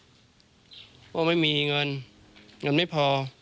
เพราะว่าไม่มีเงินเงินไม่พอ